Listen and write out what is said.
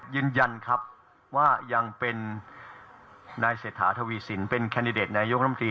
ยืนยันครับว่ายังเป็นนายเศรษฐาทวีสินเป็นแคนดิเดตนายกรมตรี